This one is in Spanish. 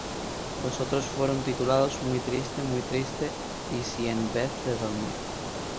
Los otros fueron titulados Muy triste, muy triste y Si en vez de dormir.